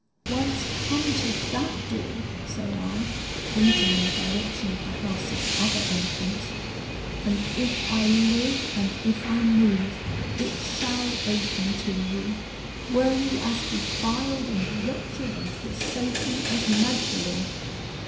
'Once come to that door, say I,' pointing in the direction of the house's other entrance, 'and if I live and if I move, it shall open to you, were you as defiled and wretched and forsaken as Magdalen.